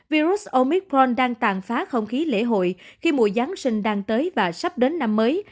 virus omicron đang tàn phá không khí lễ hội khi mùa giáng sinh đang tới và sắp đến năm mới